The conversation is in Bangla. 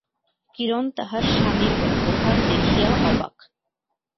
কিরণ তাহার স্বামীর ব্যবহার দেখিয়া অবাক।